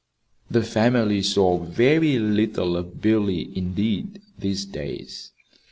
The family saw very little of Billy, indeed, these days.